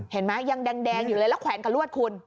เห็นไหมยังแดงอยู่เลยแล้วแขวนกับรวดคุณ